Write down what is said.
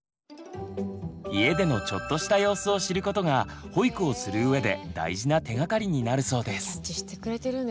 家でのちょっとした様子を知ることが保育をする上で大事な手がかりになるそうです。